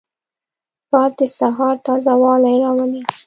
باد د سهار تازه والی راولي